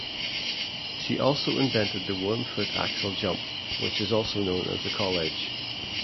She also invented the one-foot axel jump, which is also known as the "Colledge".